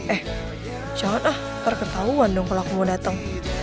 eh jangan ah ntar ketahuan dong kalo aku mau dateng